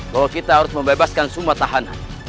bahwa kita harus membebaskan semua tahanan